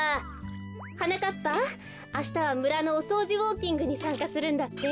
はなかっぱあしたはむらのおそうじウォーキングにさんかするんだって？